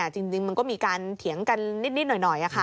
จริงมันก็มีการเถียงกันนิดหน่อย